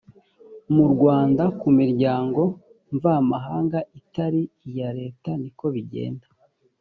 mu rwanda ku miryango mvamahanga itari iya leta niko bigenda